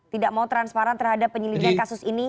tidak mau transparan terhadap penyelidikan kasus ini